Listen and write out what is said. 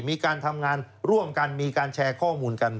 มีการทำงานร่วมกันมีการแชร์ข้อมูลกัน